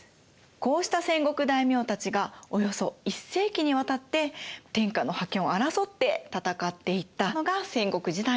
こうした戦国大名たちがおよそ１世紀に渡って天下の覇権を争って戦っていったのが戦国時代なんです。